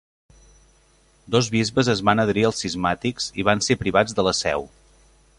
Dos bisbes es van adherir als cismàtics i van ser privats de la seu.